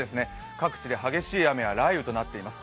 各地で激しい雨や雷雨となっています。